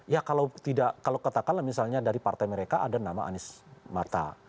ya kalau tidak kalau katakanlah misalnya dari partai mereka ada nama anies mata